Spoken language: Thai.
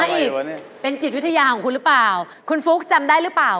อีกเป็นจิตวิทยาของคุณหรือเปล่าคุณฟุ๊กจำได้หรือเปล่า